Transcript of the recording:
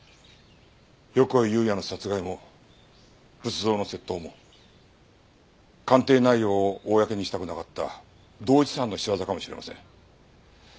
横井友哉の殺害も仏像の窃盗も鑑定内容を公にしたくなかった同一犯の仕業かもしれません。